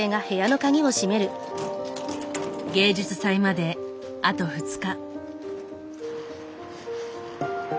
芸術祭まであと２日。